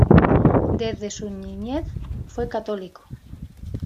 Desde su niñez fue católico.